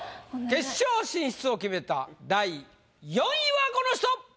決勝進出を決めた第４位はこの人！